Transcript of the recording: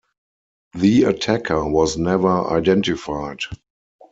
The attacker was never identified.